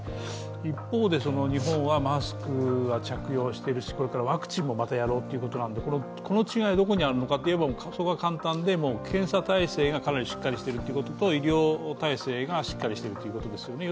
一方で、日本はマスクは着用しているし、これからワクチンもまたやろうということなんで、この違いはどこにあるのかというと、それは簡単で検査体制がかなりしっかりしているということと、医療体制がしっかりしているということですね。